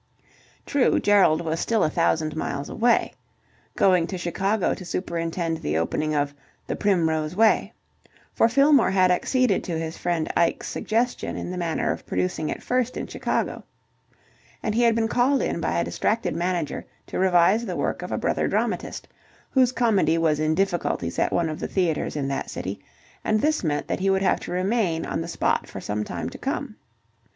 True, Gerald was still a thousand miles away. Going to Chicago to superintend the opening of "The Primrose Way"; for Fillmore had acceded to his friend Ike's suggestion in the matter of producing it first in Chicago, and he had been called in by a distracted manager to revise the work of a brother dramatist, whose comedy was in difficulties at one of the theatres in that city; and this meant he would have to remain on the spot for some time to come.